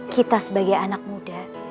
kita sebagai anak muda